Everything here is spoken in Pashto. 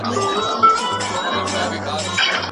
دي شورا به د ښځو د حقونو نوی کمېسيون جوړ کړی وي.